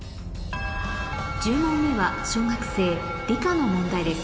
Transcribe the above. １０問目は小学生理科の問題です